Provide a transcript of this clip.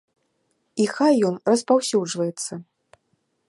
І хай ён распаўсюджваецца.